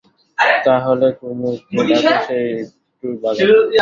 তা হলে কুমুকে ডাকো, সে একটু বাজাক।